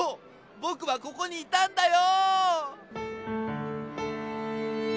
ボクはここにいたんだよ！